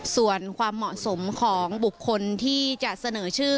ส่วนความเหมาะสมของบุคคลที่จะเสนอชื่อ